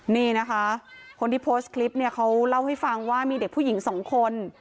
นี่นะคะคนที่โพสต์คลิปเนี่ยเขาเล่าให้ฟังว่ามีเด็กผู้หญิงสองคน